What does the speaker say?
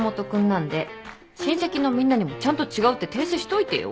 親戚のみんなにもちゃんと違うって訂正しといてよ。